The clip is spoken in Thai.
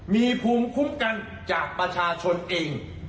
มีภูมิคุ้มกันจากประชาชนเอง